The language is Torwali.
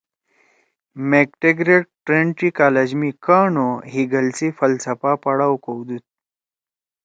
میگ ٹیگرٹ ٹرینٹی کالج می کانٹ او ہیگل سی فلسفہ پڑھاؤ کؤدُود